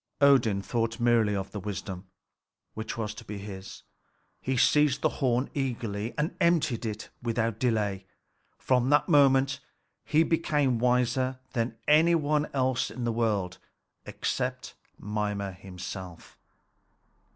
Odin thought merely of the wisdom which was to be his. He seized the horn eagerly, and emptied it without delay. From that moment he became wiser than any one else in the world except Mimer himself.